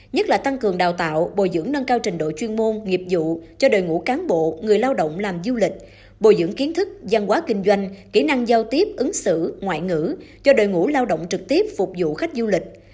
nhất là tăng cường đào tạo bồi dưỡng nâng cao trình độ chuyên môn nghiệp vụ cho đời ngũ cán bộ người lao động làm du lịch bồi dưỡng kiến thức gian hóa kinh doanh kỹ năng giao tiếp ứng xử ngoại ngữ cho đời ngũ lao động trực tiếp phục vụ khách du lịch